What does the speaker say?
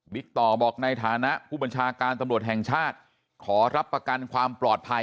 ต่อบอกในฐานะผู้บัญชาการตำรวจแห่งชาติขอรับประกันความปลอดภัย